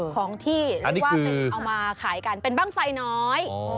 ของที่เรียกว่าเอามาขายกันเป็นบ้างไฟน้อย